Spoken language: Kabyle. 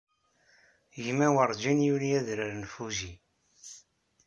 Gma werjin yuliy adrar n Fuji.